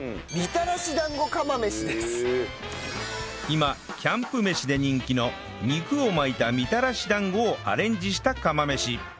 今キャンプ飯で人気の肉を巻いたみたらし団子をアレンジした釜飯